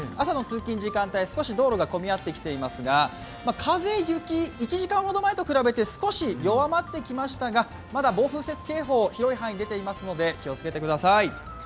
朝の通勤時間帯、少し道路が混み合ってきていますが風、雪、１時間ほど前と比べて、少し弱まってきましたがまだ暴風雪警報、広い範囲に出ていますので、気をつけてください。